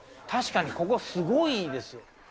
確かにここ、すごいですよ。